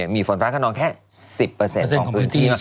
มีฝนฟ้าขนองแค่๑๐ของพื้นที่